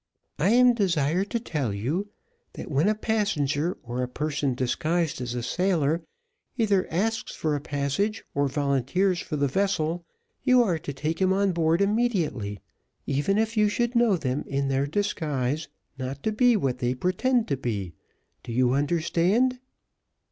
"I am desired to tell you, that when a passenger, or a person disguised as a sailor, either asks for a passage, or volunteers for the vessel, you are to take him on board immediately, even if you should know them in their disguise not to be what they pretend to be do you understand?"